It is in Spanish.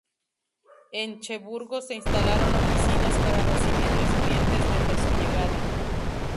En Cherburgo se instalaron oficinas para recibir los clientes desde su llegada.